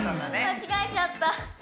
間違えちゃった。